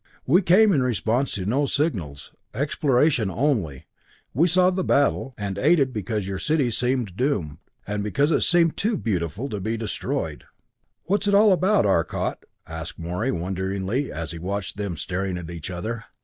"We came in response to no signals exploration only we saw the battle and aided because your city seemed doomed, and because it seemed too beautiful to be destroyed." "What's it all about, Arcot?" asked Morey wonderingly, as he watched them staring at each other.